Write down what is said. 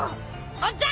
おっちゃん